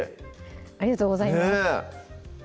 ありがとうございます